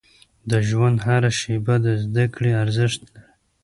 • د ژوند هره شیبه د زده کړې ارزښت لري.